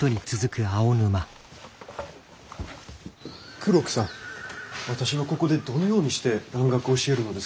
黒木さん私はここでどのようにして蘭学を教えるのですか？